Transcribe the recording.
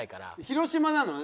広島なの？